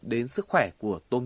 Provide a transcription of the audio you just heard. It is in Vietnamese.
đến sức khỏe của tôm